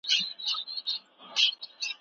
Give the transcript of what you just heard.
تاسو باید د خوړو د پخولو مهارت زده کړئ.